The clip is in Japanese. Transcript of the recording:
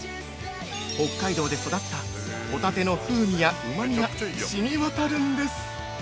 北海道で育ったほたての風味やうまみがしみ渡るんです。